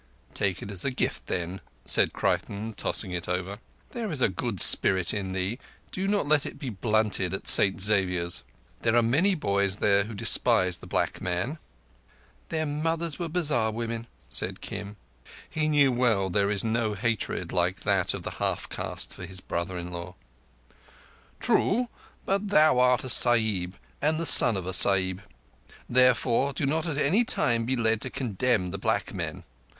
"Take it for a gift, then," said Creighton, tossing it over. "There is a good spirit in thee. Do not let it be blunted at St Xavier's. There are many boys there who despise the black men." "Their mothers were bazar women," said Kim. He knew well there is no hatred like that of the half caste for his brother in law. "True; but thou art a Sahib and the son of a Sahib. Therefore, do not at any time be led to contemn the black men.